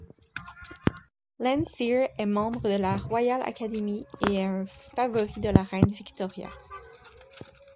Landseer est membre de la Royal Academy et un favori de la reine Victoria.